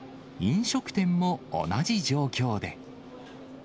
飲食店も同じ状況で。